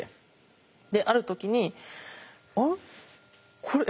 である時にあれ？